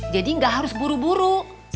jadi nggak harus buru buru